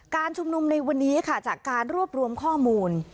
ชุมนุมในวันนี้ค่ะจากการรวบรวมข้อมูล